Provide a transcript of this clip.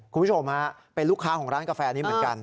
คุณผู้ชมฮะเป็นลูกค้าของร้านกาแฟนี้เหมือนกัน